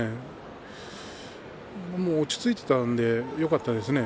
落ち着いていたのでよかったですね